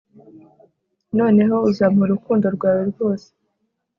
Noneho uzamuha urukundo rwawe rwose